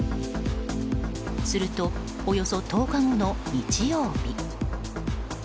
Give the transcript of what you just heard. すると、およそ１０日後の日曜日。